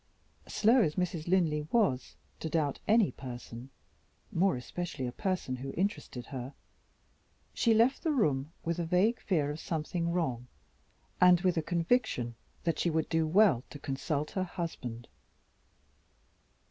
Slow as Mrs. Linley was to doubt any person (more especially a person who interested her), she left the room with a vague fear of something wrong, and with a conviction that she would do well to consult her husband.